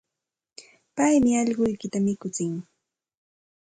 Paymi allquykita mikutsin.